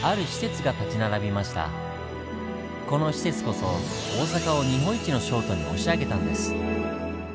この施設こそ大阪を日本一の商都に押し上げたんです。